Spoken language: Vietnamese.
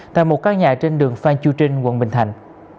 tại một căn nhà trên đường phan chu trinh quận bình thạnh